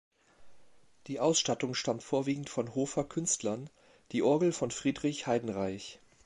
Die Ausstattung stammt vorwiegend von Hofer Künstlern, die Orgel von Friedrich Heidenreich.